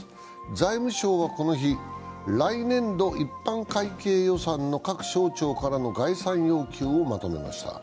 財務省はこの日、来年度一般会計予算の各省庁からの概算要求をまとめました。